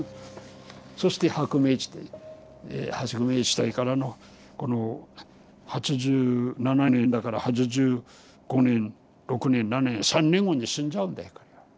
そして「薄明地帯から」のこの８７年だから８５年６年７年３年後に死んじゃうんだよ。